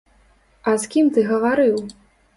А з кім ты гаварыў?